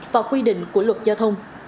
và quy định của luật giao thông